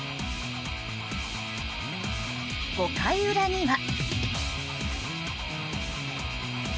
５回裏には。